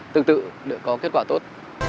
tương tự để có kết quả tốt